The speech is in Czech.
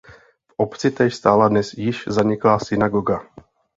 V obci též stála dnes již zaniklá synagoga.